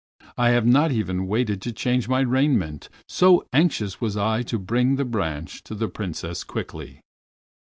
I have not even waited to change my raiment, so anxious was I to bring the branch to the Princess quickly."